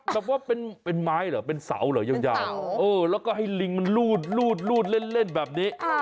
แบบว่าเป็นไม้เหรอเป็นเสาเหรอยาวแล้วก็ให้ลิงมันรูดเล่นแบบนี้